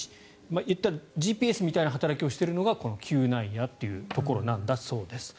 言ったらＧＰＳみたいな働きをしているのがこの嗅内野というところなんだそうです。